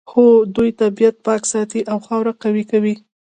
هو دوی طبیعت پاک ساتي او خاوره قوي کوي